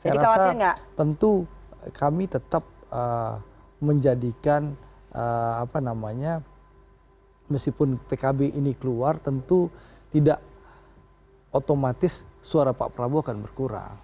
saya rasa tentu kami tetap menjadikan apa namanya meskipun pkb ini keluar tentu tidak otomatis suara pak prabowo akan berkurang